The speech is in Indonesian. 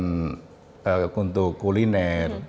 kemudian ada kebutuhan untuk kuliner